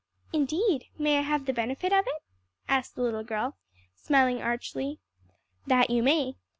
"Indeed! may I have the benefit of it?" asked the little girl, smiling archly. "That you may.